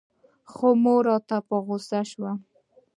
خو مور راته په غوسه سوه.